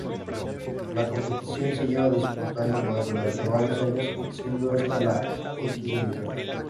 La competición se lleva disputando durante varios años, siendo esta la X edición.